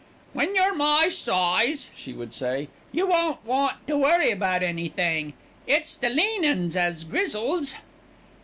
"When you're my size," she would say, "you won't want to worry about anything; it's the lean 'uns as grizzles."